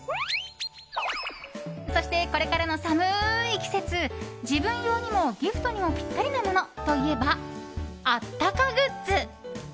そして、これからの寒い季節自分用にも、ギフトにもピッタリなものといえばあったかグッズ！